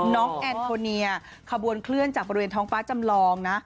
น้องแอนโทเนียขบวนเคลื่อนจากบริเวณท้องฟ้าจำลองนะ